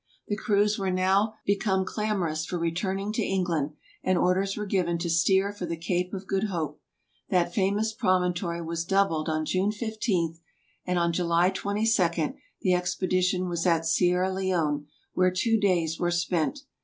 The crews were now become clamorous for return ing to England, and orders were given to steer for the Cape of Good Hope. That famous promontory was doubled on June 15, and on July 22, the expedition was at Sierra Leone, where two days were spent.